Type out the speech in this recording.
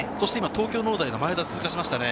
東京農大の前田も通過しましたね。